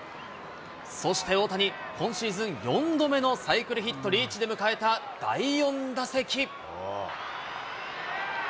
そして大谷、今シーズン４度目のサイクルヒットリーチで迎えた第４打席。